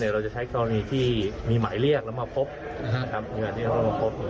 เราจะใช้กรณีที่มีหมายเรียกแล้วมาพบ